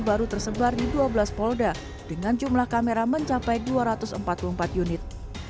baru tersebar di dua belas polda dengan jumlah kamera mencapai dua ratus empat puluh empat unit